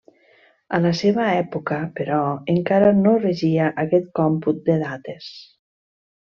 A la seva època, però, encara no regia aquest còmput de dates.